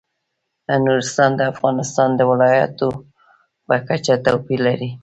نورستان د افغانستان د ولایاتو په کچه توپیر لري.